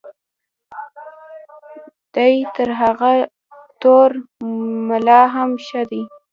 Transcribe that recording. دی تر هغه تور ملا بیا هم ښه دی.